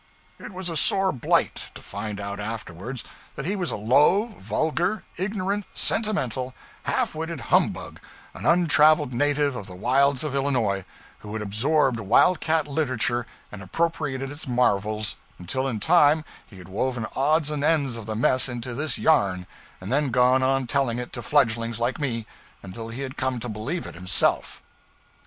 It was a sore blight to find out afterwards that he was a low, vulgar, ignorant, sentimental, half witted humbug, an untraveled native of the wilds of Illinois, who had absorbed wildcat literature and appropriated its marvels, until in time he had woven odds and ends of the mess into this yarn, and then gone on telling it to fledglings like me, until he had come to believe it himself.